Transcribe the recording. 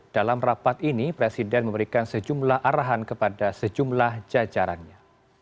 dalam rapat ini presiden memberikan sejumlah arahan kepada sejumlah jajarannya